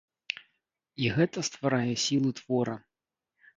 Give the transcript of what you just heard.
І гэта стварае сілу твора.